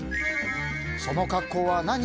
その格好は何？